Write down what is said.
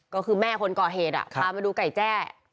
ก็คือแม่คนก่อเหตุพามาดูไก่แจ้